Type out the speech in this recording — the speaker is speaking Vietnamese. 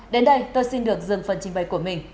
đến đây tôi xin được dừng phần trình bày của mình